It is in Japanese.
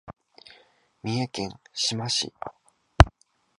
三重県志摩市